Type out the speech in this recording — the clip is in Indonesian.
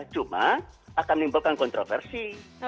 cuma akan menimbulkan kontroversi